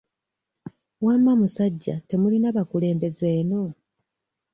Wamma musajja temulina bakulembeze eno?